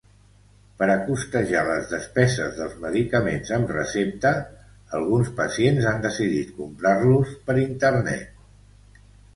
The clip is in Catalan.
Per a costejar les despeses dels medicaments amb recepta, alguns pacients han decidit comprar-los per Internet.